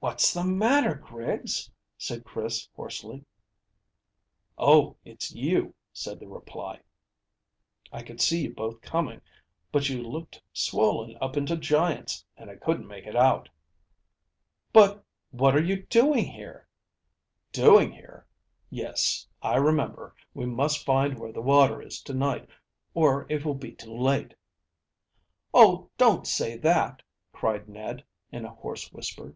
"What's the matter, Griggs?" said Chris hoarsely. "Oh, it's you!" was the reply. "I could see you both coming, but you looked swollen up into giants, and I couldn't make it out." "But what are you doing here?" "Doing here? Yes, I remember. We must find where the water is to night, or it will be too late." "Oh, don't say that," cried Ned, in a hoarse whisper.